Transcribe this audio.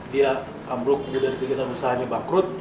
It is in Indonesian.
dia ambruk kemudian dari pikiran usahanya bangkrut